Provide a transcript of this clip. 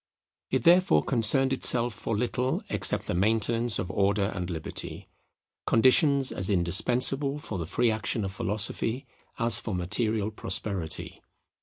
It therefore concerned itself for little except the maintenance of Order and Liberty; conditions as indispensable for the free action of philosophy as for material prosperity.